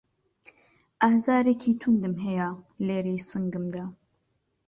ئازارێکی توندم هەیە لێرەی سنگمدا